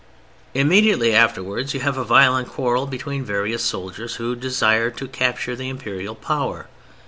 Immediately afterwards you have a violent quarrel between various soldiers who desire to capture the Imperial power.